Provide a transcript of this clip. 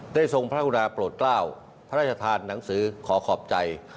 ทรงพระกุณาโปรดกล้าพระราชทานหนังสือขอขอบใจ